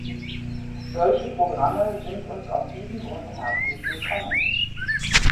Solche Programme sind uns aus diesem Grund herzlich willkommen.